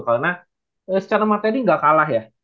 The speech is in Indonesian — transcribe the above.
karena secara materi ga kalah ya